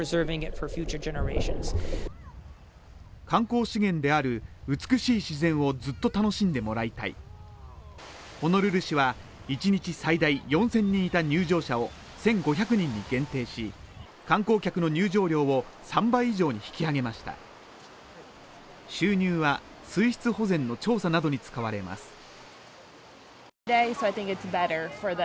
観光資源である美しい自然をずっと楽しんでもらいたいホノルル市は１日最大４０００人いた入場者を１５００人に限定し観光客の入場料を３倍以上に引き上げました収入は水質保全の調査などに使われます